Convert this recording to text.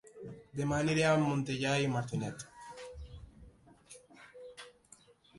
Dema aniré a Montellà i Martinet